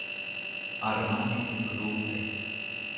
Ar mani ir grūti.